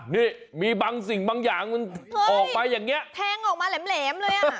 นี่มีบางสิ่งบางอย่างมันออกมาอย่างเงี้แทงออกมาแหลมเลยอ่ะ